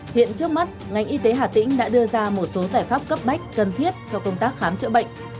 hiện trước mắt ngành y tế hà tĩnh đã đưa ra một số giải pháp cấp bách cần thiết cho công tác khám chữa bệnh